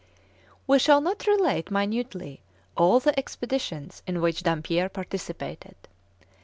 We shall not relate minutely all the expeditions in which Dampier participated.